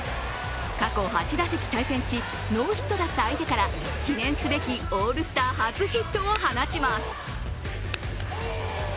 過去８打席対戦し、ノーヒットだった相手から、記念すべきオールスター初ヒットを放ちます。